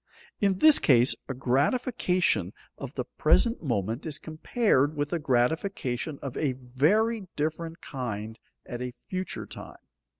In this case, a gratification of the present moment is compared with a gratification of a very different kind at a future time.